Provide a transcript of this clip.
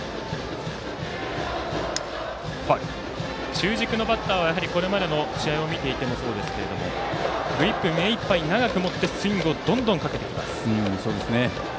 中軸のバッターはこれまでの試合を見ていてもそうですけれどもグリップを目いっぱい長く持ってスイングをどんどんとかけてきます。